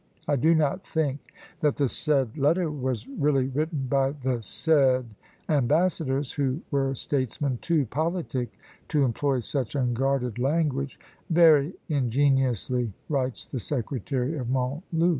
"I do not think that the said letter was really written by the said ambassadors, who were statesmen too politic to employ such unguarded language," very ingeniously writes the secretary of Montluc.